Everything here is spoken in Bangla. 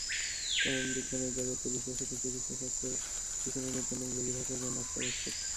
কারণ, বিজ্ঞানের জগতে, বিশেষত চিকিৎসাশাস্ত্রে বিচরণের জন্য ইংরেজি ভাষার জ্ঞান অত্যাবশ্যক।